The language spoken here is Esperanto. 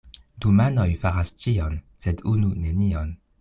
Du manoj faras ĉion, sed unu nenion.